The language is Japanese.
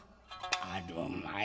あるまい。